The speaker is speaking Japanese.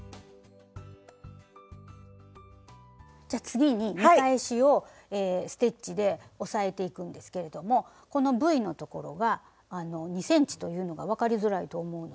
じゃ次に見返しをステッチで押さえていくんですけれどもこのＶのところは２ｃｍというのが分かりづらいと思うので。